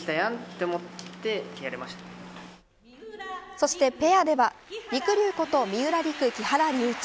そしてペアではりくりゅうこと三浦璃来と木原龍一。